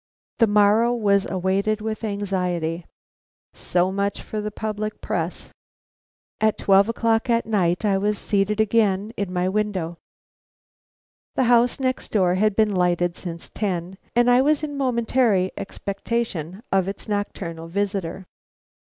The morrow was awaited with anxiety. So much for the public press! At twelve o'clock at night, I was again seated in my window. The house next door had been lighted since ten, and I was in momentary expectation of its nocturnal visitor.